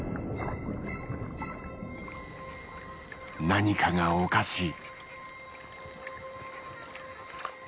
何かがおかしい。